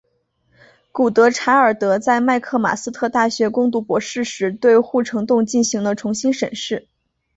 古德柴尔德在麦克马斯特大学攻读博士时对护城洞进行了重新审视。